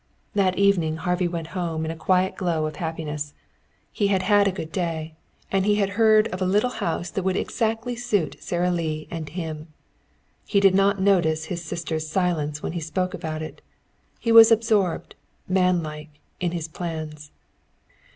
That evening Harvey went home in a quiet glow of happiness. He had had a good day. And he had heard of a little house that would exactly suit Sara Lee and him. He did not notice his sister's silence when he spoke about it. He was absorbed, manlike, in his plans.